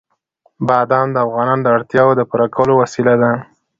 بادام د افغانانو د اړتیاوو د پوره کولو وسیله ده.